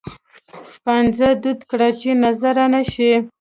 سپانځه دود کړه چې نظره نه شي.